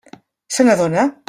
Se n'adona?